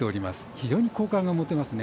非常に好感が持てますね。